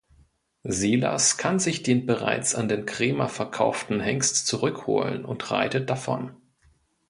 Silas kann sich den bereits an den Krämer verkauften Hengst zurückholen und reitet davon.